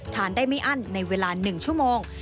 ทานได้ไม่อั้นในเวลา๑ชั่วโมง